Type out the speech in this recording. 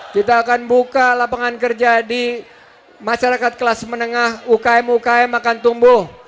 kita akan buka lapangan kerja di masyarakat kelas menengah ukm ukm akan tumbuh